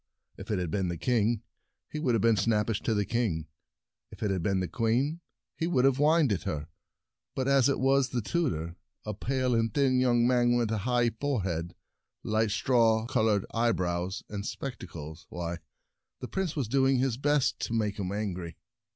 If it had been the king, he would have been snappish to the king; if it had been the queen, he would have whined at her; but as it was the tutor— a pale and thin young man with a high forehead, light straw colored eyebrows, and spectacles — why, the Prince was doing his best to make him angry.